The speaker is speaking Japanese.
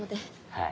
はい。